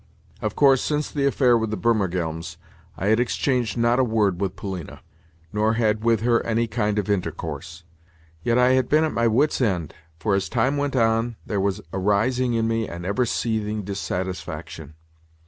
Of course, since the affair with the Burmergelms I had exchanged not a word with Polina, nor had with her any kind of intercourse. Yet I had been at my wits' end, for, as time went on, there was arising in me an ever seething dissatisfaction.